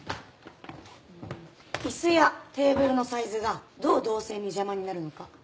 椅子やテーブルのサイズがどう動線に邪魔になるのか。